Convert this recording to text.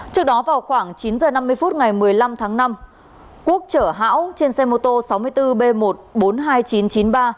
trước đó vào khoảng chín h năm mươi phút ngày một mươi năm tháng năm quốc chở hão trên xe mô tô sáu mươi bốn b một trăm bốn mươi hai nghìn chín trăm chín mươi ba